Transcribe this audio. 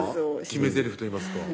決めぜりふといいますか